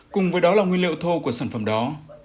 cùng với đó là nguyên liệu thô của sản phẩm đó